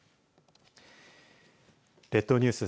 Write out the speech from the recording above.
列島ニュース